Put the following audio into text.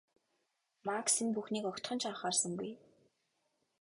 Макс энэ бүхнийг огтхон ч анхаарсангүй.